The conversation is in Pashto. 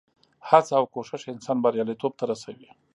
هڅه او کوښښ انسان بریالیتوب ته رسوي.